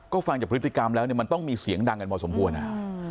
ก็ฟังจากพฤติกรรมแล้วเนี่ยมันต้องมีเสียงดังกันพอสมควร